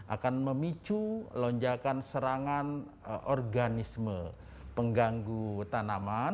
akan memicu lonjakan serangan organisme pengganggu tanaman